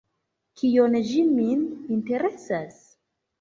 Kion ĝi min interesas?